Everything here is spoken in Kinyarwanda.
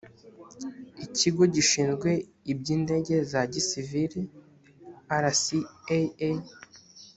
ikigo gishinzwe iby indege za gisiviri rcaa